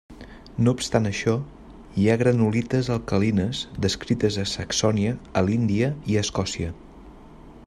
No obstant això, hi ha granulites alcalines, descrites a Saxònia, a l'Índia i a Escòcia.